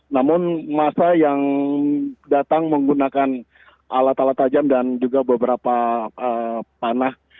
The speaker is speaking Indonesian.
namun masa yang datang menggunakan alat alat tajam dan juga beberapa panah